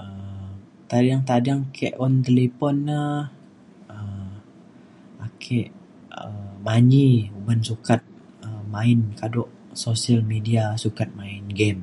um tading tading ke un talipon na um ake um manyi uban sukat um main kado sosial media sukat main game